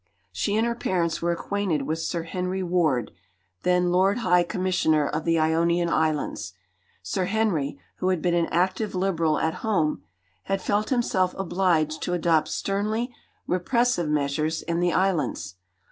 She and her parents were acquainted with Sir Henry Ward, then Lord High Commissioner of the Ionian Islands. Sir Henry, who had been an active Liberal at home, had felt himself obliged to adopt sternly repressive measures in the islands.